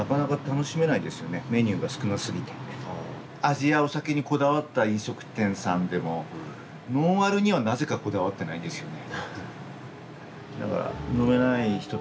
味やお酒にこだわった飲食店さんでもノンアルにはなぜかこだわってないんですよね。